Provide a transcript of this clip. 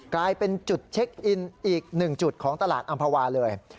กลายเป็นจุดเช็คอินอีก๑จุดของตลาดอำภาวาเลย